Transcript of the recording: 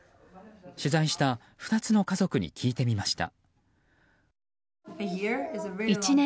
取材した２つの家族に聞いてみました。